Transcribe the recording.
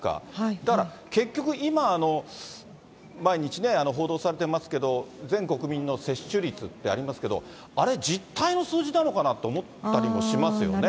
だから結局、今、毎日報道されていますけれども、全国民の接種率ってありますけど、あれ、実態の数字なのかなと思ったりもしますよね。